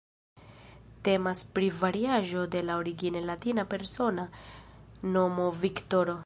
Temas pri variaĵo de la origine latina persona nomo "Viktoro".